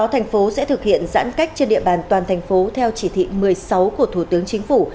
sáu thành phố sẽ thực hiện giãn cách trên địa bàn toàn thành phố theo chỉ thị một mươi sáu của thủ tướng chính phủ